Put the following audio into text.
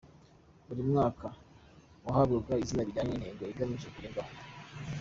Buri mwaka wahabwaga izina bijyanye n’intego igamijwe kugerwaho.